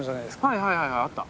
はいはいはいあった。